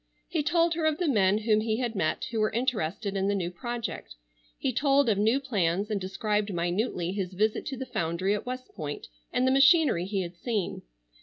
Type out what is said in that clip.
He told her of the men whom he had met who were interested in the new project. He told of new plans and described minutely his visit to the foundry at West Point and the machinery he had seen.